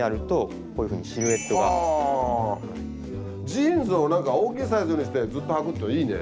ジーンズをなんか大きいサイズにしてずっとはくといいね。